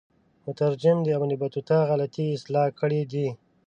مترجم د ابن بطوطه غلطی اصلاح کړي دي.